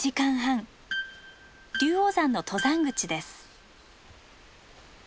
龍王山の登山口です。